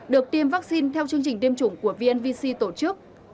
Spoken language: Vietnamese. được tiêm vaccine theo chương trình tiêm chủng của vnvc tổ chức